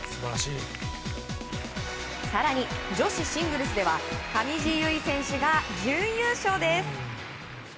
更に女子シングルスでは上地結衣選手が準優勝です。